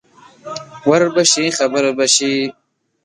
ور به شې خبر به شې